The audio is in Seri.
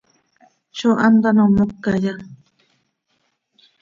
¿Zó hant ano mocaya?